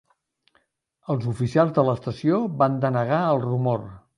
Els oficials de l'estació van denegar el rumor.